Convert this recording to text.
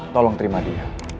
tolong terima dia